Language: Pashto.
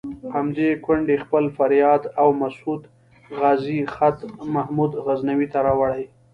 همدې کونډې خپل فریاد او د مسعود غازي خط محمود غزنوي ته راوړی.